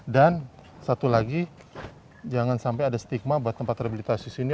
dan satu lagi jangan sampai ada stigma buat tempat rehabilitasi di sini